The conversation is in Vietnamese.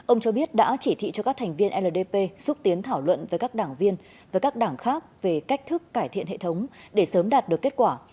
ông cho biết đã chỉ thị cho các thành viên ldp xúc tiến thảo luận với các đảng viên và các đảng khác về cách thức cải thiện hệ thống để sớm đạt được kết quả